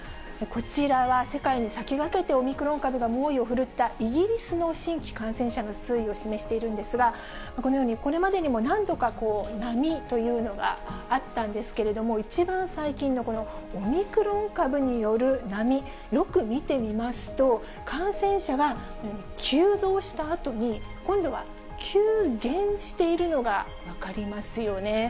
こちらは世界に先駆けてオミクロン株が猛威を振るったイギリスの新規感染者の推移を示しているんですが、このように、これまでにも何度か波というのがあったんですけれども、一番最近のこのオミクロン株による波、よく見てみますと、感染者が急増したあとに今度は急減しているのが分かりますよね。